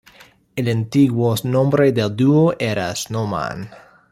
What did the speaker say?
El antiguo nombre del dúo era Snowman.